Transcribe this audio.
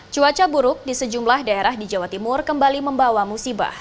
cuaca buruk di sejumlah daerah di jawa timur kembali membawa musibah